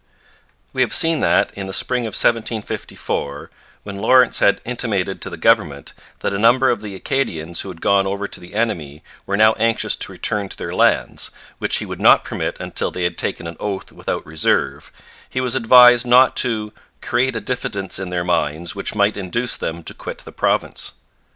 We have seen that, in the spring of 1754, when Lawrence had intimated to the government that a number of the Acadians who had gone over to the enemy were now anxious to return to their lands, which he would not permit until they had taken an oath without reserve, he was advised not to 'create a diffidence in their minds which might induce them to quit the province.'